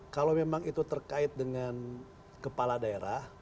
kalau memang itu terkait dengan kepala daerah